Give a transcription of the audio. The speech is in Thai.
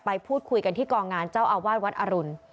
พูดคุยกันที่กองงานเจ้าอาวาสวัดอรุณ